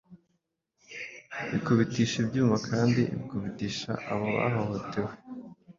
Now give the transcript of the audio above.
bikubitisha ibyuma Kandi bikubita ababo bahohotewe,